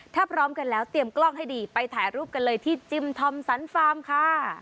ถ้าพร้อมกันแล้วเตรียมกล้องให้ดีไปถ่ายรูปกันเลยที่จิมทอมสันฟาร์มค่ะ